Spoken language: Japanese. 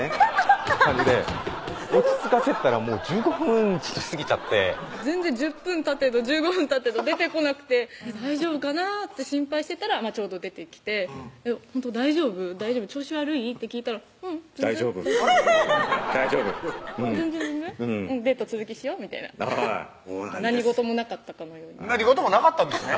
落ち着かせてたらもう１５分過ぎちゃって全然１０分たてど１５分たてど出てこなくて大丈夫かなって心配してたらちょうど出てきて「ほんと大丈夫？調子悪い？」って聞いたら「ううん」「大丈夫大丈夫」「全然デート続きしよ」みたいな何事もなかったかのように何事もなかったんですね